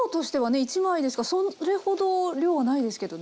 １枚ですからそれほど量はないですけどね。